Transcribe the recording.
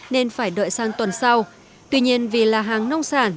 nên phải đợi sang tuần sau tuy nhiên vì là hàng nông sản